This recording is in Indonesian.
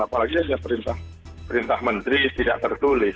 apalagi perintah menteri tidak tertulis